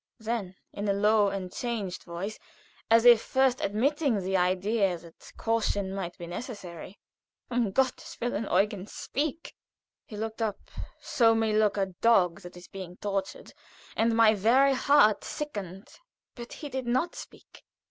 Then, in a lower and changed voice, as if first admitting the idea that caution might be necessary: "Um Gotteswillen, Eugen! Speak!" He looked up so may look a dog that is being tortured and my very heart sickened; but he did not speak.